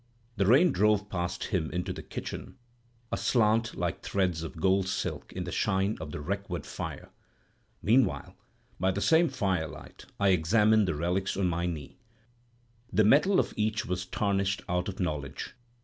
The rain drove past him into the kitchen, aslant like threads of gold silk in the shine of the wreck wood fire. Meanwhile, by the same firelight, I examined the relics on my knee. The metal of each was tarnished out of knowledge.